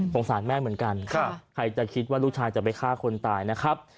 สงสารแม่เหมือนกันใครจะคิดว่าลูกชายจะไปฆ่าคนตายนะครับ